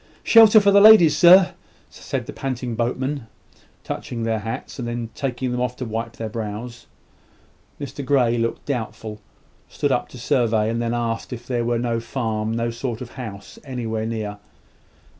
"Shelter for the ladies, sir," said the panting boatmen, touching their hats, and then taking them off to wipe their brows. Mr Grey looked doubtful, stood up to survey, and then asked if there was no farm, no sort of house anywhere near.